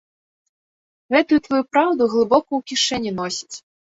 Гэтую тваю праўду глыбока ў кішэні носяць.